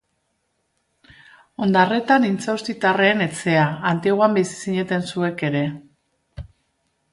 Ondarretan Intxaustitarren etxea, Antiguan bizi zineten zuek ere.